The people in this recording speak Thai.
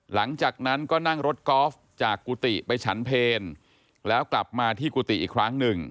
หลังจากนั้นก็นั่งรถกอล์ฟจากกุฏิไปฉันเพลแล้วกลับมาที่กุฏิอีกครั้งหนึ่ง